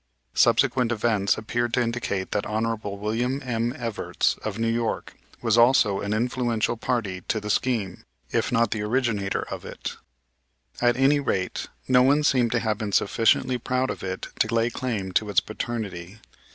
Subsequent events appeared to indicate that Hon. Wm. M. Evarts of New York, was also an influential party to the scheme, if not the originator of it. At any rate, no one seemed to have been sufficiently proud of it to lay claim to its paternity.